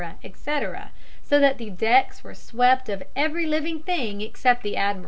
etc., so that the decks were swept of every living thing except the admiral.